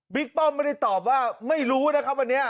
ป้อมไม่ได้ตอบว่าไม่รู้นะครับวันนี้